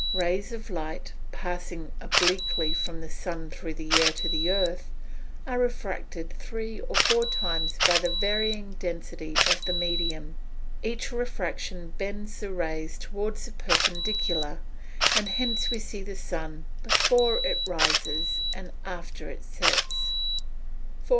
Rays of light, passing obliquely from the sun through the air to the earth, are refracted three or four times by the varying density of the medium. Each refraction bends the rays towards the perpendicular; and hence we see the sun before it rises and after it sets. [Illustration: Fig. 13.